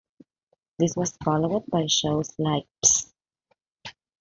This was followed by shows like Psst!